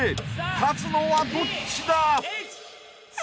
［勝つのはどっちだ！？］